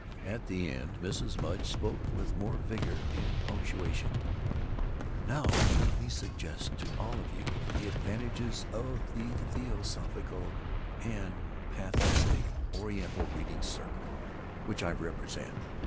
At the end Mrs. Mudge spoke with more vigor and punctuation: "Now let me suggest to all of you the advantages of the Theosophical and Pantheistic Oriental Reading Circle, which I represent.